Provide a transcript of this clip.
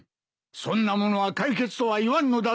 そんなものは解決とは言わんのだぞ。